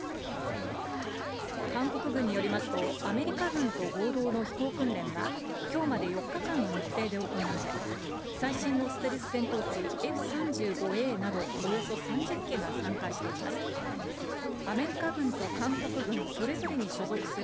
韓国軍によりますと、アメリカ軍と合同の飛行訓練は、きょうまで４日間の日程で行われ、最新のステルス戦闘機、Ｆ３５Ａなどおよそ３０機が参加しています。